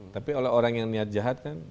tapi oleh orang yang niat jahat kan